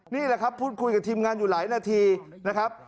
นี่แหละครับพูดคุยกับทีมงานอยู่หลายนาทีนะครับ